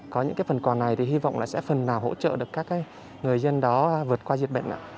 có những phần quà này thì hy vọng sẽ phần nào hỗ trợ được các người dân đó vượt qua dịch bệnh